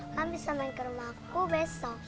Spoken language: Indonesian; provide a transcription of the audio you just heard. kamu bisa main ke rumahku besok